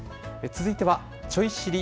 続いては、ちょい知り！